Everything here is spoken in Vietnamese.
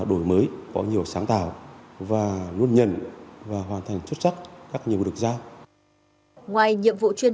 đổi mới có nhiều sáng tạo và luôn nhận và hoàn thành xuất sắc các nhiệm vụ được giao ngoài nhiệm vụ chuyên